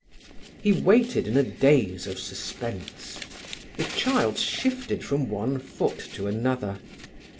He waited in a daze of suspense. The child shifted from one foot to another.